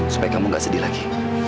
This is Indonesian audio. supaya kamu gak sedih lagi